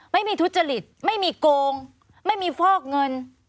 ไม่มีทุจริตไม่มีโกงไม่มีฟอกเงิน